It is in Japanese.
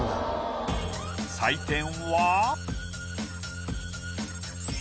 採点は。